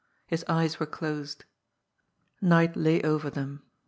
His eyes were closed. Night lay over them.